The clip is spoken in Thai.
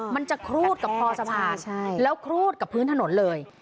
มันจะครูดกับคอสะพานแล้วครูดกับพื้นถนนเลย